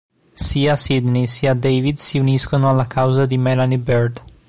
Sia Sydney sia David si uniscono alla causa di Melanie Bird.